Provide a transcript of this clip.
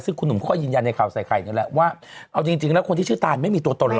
ซึ่งคุณหนุ่มเขาก็ยืนยันในข่าวใส่ไข่นี่แหละว่าเอาจริงแล้วคนที่ชื่อตานไม่มีตัวตนเลย